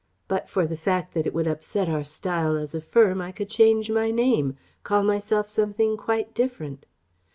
But for the fact that it would upset our style as a firm I could change my name: call myself something quite different....